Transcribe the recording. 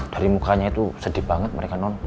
dari mukanya itu sedih banget mereka nonto